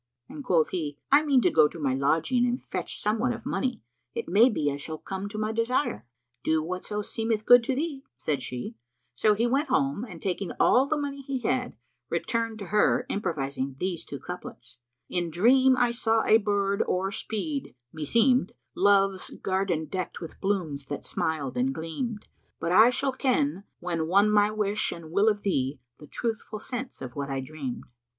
and quoth he, "I mean to go to my lodging and fetch somewhat of money: it may be I shall come to my desire." "Do whatso seemeth good to thee," said she; so he went home and taking all the money he had, returned to her improvising these two couplets, "In dream I saw a bird o'er speed (meseem'd), * Love's garden decked with blooms that smiled and gleamed: But I shall ken, when won my wish and will * Of thee, the truthful sense of what I dreamed."